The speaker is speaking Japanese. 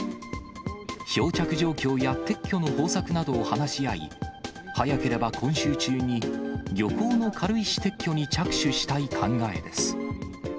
漂着状況や撤去の方策などを話し合い、早ければ今週中に、漁港の軽石撤去に着手したい考えです。